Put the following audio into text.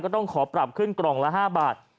ต้องขอปรับขึ้นกล่องละ๕บาท